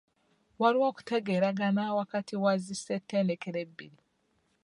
Waliwo okutegeeragana wakati wa zi ssetendekero ebbiri.